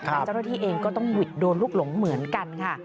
แต่เจ้าหน้าที่เองก็ต้องหวิดโดนลูกหลงเหมือนกันค่ะ